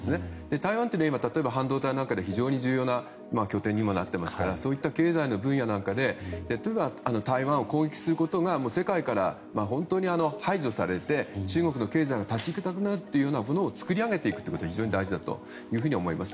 台湾といえば例えば半導体なんかで非常に重要な拠点になっていますからそういった経済の分野なんかで例えば台湾を攻撃することが世界から、本当に排除されて中国の経済が立ちいかなくなるというものを作り上げていくことが非常に大事だと思います。